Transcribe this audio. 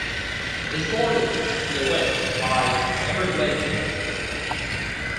It is bordered to the west by Everglades City.